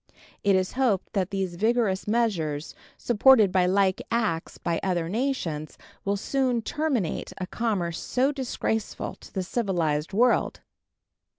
It is hoped that these vigorous measures, supported by like acts by other nations, will soon terminate a commerce so disgraceful to the civilized world.